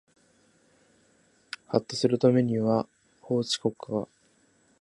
はっとすると目には法治国家が